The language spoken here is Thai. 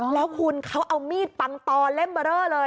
แล้วคุณเขาเอามีดปังตอเล่มเบอร์เรอเลย